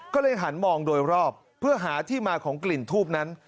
ก็เลยหันมองโดยรอบเพื่อหาที่มาของกลิ่นทูบนั้น